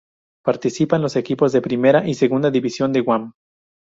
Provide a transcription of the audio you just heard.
Participan los equipos de primera y segunda división de Guam.